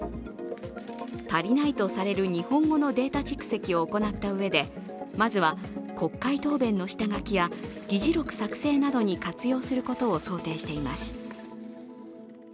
足りないとされる日本語のデータ蓄積を行ったうえでまずは国会答弁の下書きや議事録作成などに活用することを想定しています。